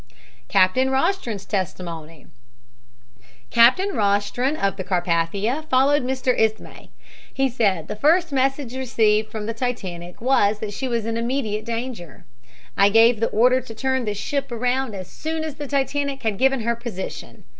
CAPTAIN ROSTRON'S TESTIMONY Captain Rostron, of the Carpathia, followed Mr. Ismay. He said the first message received from the Titanic was that she was in immediate danger. "I gave the order to turn the ship around as soon as the Titanic had given her position.